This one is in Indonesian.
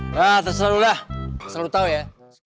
nah terserah lo dah terserah lo tau ya